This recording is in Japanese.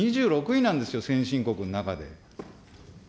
２６位なんですよ、先進国の中で。